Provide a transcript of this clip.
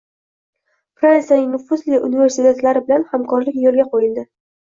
Fransiyaning nufuzli universitetlari bilan hamkorlik yo‘lga qo‘yildi